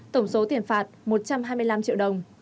tổng số tiền phạt một trăm hai mươi năm triệu đồng